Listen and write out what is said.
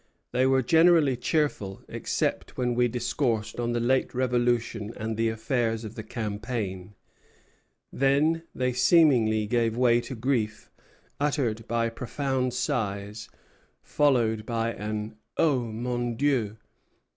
They were generally cheerful, except when we discoursed on the late revolution and the affairs of the campaign; then they seemingly gave way to grief, uttered by profound sighs, followed by an O mon Dieu!"